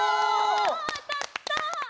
当たった！